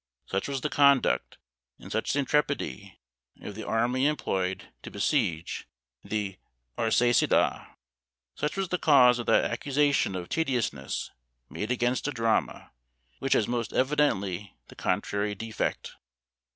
Such was the conduct, and such the intrepidity, of the army employed to besiege the Arsacides! Such was the cause of that accusation of tediousness made against a drama, which has most evidently the contrary defect!"